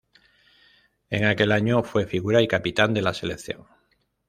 En aquel año, fue figura y capitán de la selección.